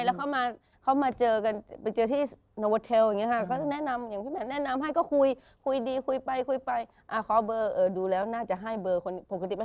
โรแมนติกมั้ยคนนี้พี่แวนโรแมนติกมั้ย